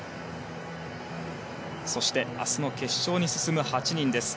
そして明日の決勝に進む８人です。